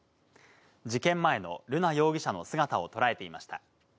事件前の瑠奈容疑者の姿を捉えていました。